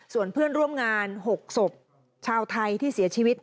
ส่วนเพื่อนร่วมงาน๖ศพชาวไทยที่เสียชีวิต